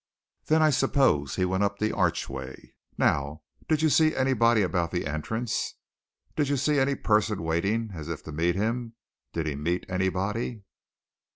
"Then I suppose he went up the archway. Now, did you see anybody about the entrance? Did you see any person waiting as if to meet him? Did he meet anybody?"